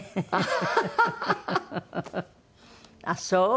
あっそう。